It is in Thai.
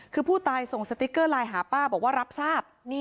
คือผู้ตายส่งสติ๊กเกอร์ไลน์หาป้าบอกว่ารับทราบ